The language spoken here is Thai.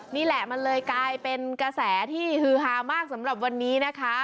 นี่แหละมันเลยกลายเป็นกระแสที่ฮือฮามากสำหรับวันนี้นะคะ